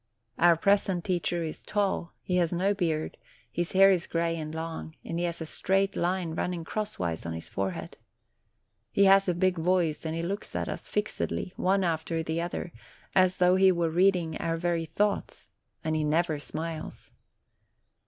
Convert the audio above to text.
Our present teacher is tall; he has no beard; his hair is gray and long; and he has a straight line running crosswise on his forehead. He has a big voice, and he looks at us fixedly, one after the other, as though he were reading our very thoughts ; and he never smiles.